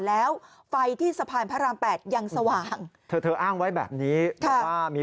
แล้วไฟที่สะพานพระราม๘ยังสว่างเธอเธออ้างไว้แบบนี้บอกว่ามี